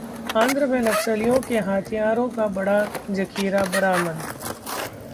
आंध्र में नक्सलियों के हथियारों का बड़ा जखीरा बरामद